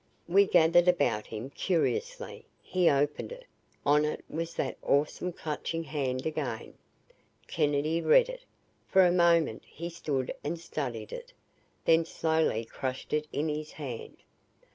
We gathered about him, curiously. He opened it. On it was that awesome Clutching Hand again. Kennedy read it. For a moment he stood and studied it, then slowly crushed it in his hand.